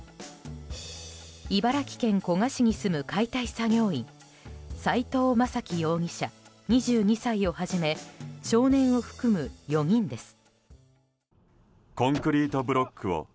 茨城県古河市に住む解体作業員斉藤雅樹容疑者、２２歳をはじめ少年を含む４人です。